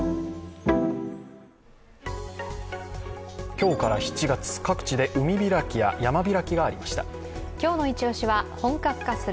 今日から７月、各地で海開きや山開きがありました。